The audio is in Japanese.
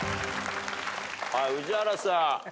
はい宇治原さん。